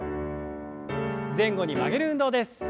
前後に曲げる運動です。